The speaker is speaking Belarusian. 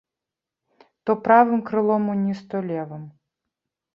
То правым крылом уніз, то левым.